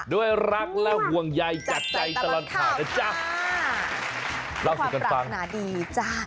ด้วยรักและห่วงใยแจกใจตลอดข่าวของความปรากฏฑนะดีจ๊ะ